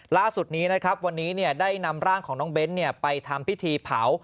ล่าสุดนี้นะครับวันนี้ได้นำร่างของน้องเบ้นไปทำพิธีเผา